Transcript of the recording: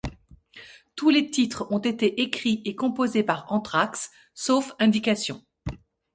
Tous les titres ont été écrits et composés par Anthrax, sauf indication.